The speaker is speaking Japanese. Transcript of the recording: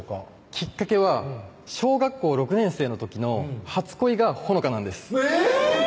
きっかけは小学校６年生の時の初恋が帆香なんですえぇっ！